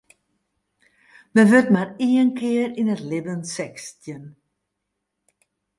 Men wurdt mar ien kear yn it libben sechstjin.